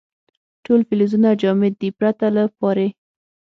ټول فلزونه جامد دي پرته له پارې.